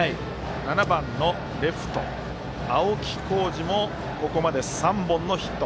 ７番のレフト、青木虎仁もここまで３本のヒット。